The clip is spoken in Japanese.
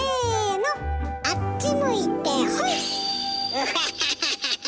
ウハハハハハ！